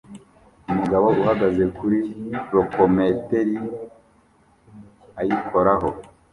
Umugabo uhagaze kuri lokomoteri ayikoraho